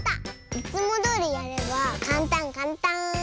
いつもどおりやればかんたんかんたん。